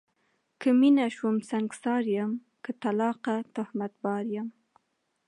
که میینه شوم سنګسار یم، که طلاقه تهمت بار یم